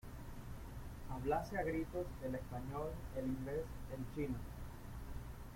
hablase a gritos el español, el inglés , el chino.